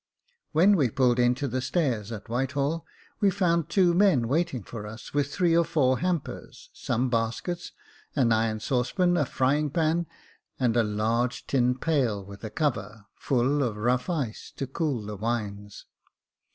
When we pulled in to the stairs at Whitehall, we found two men waiting for us with three or four hampers, some baskets, an iron saucepan, a frying pan, and a large tin pail with a cover, full of rough ice to cool the wines.